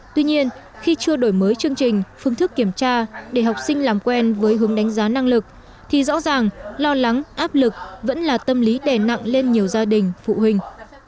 tuy nhiên khi chưa đổi mới chương trình phương thức kiểm tra để học sinh làm quen với hướng đánh giá năng lực thì rõ ràng lo lắng áp lực vẫn là tâm lý đè nặng lên nhiều gia đình phụ huynh